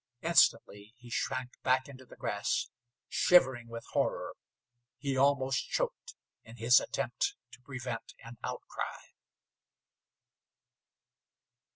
Instantly he shrank back into the grass, shivering with horror. He almost choked in his attempt to prevent an outcry.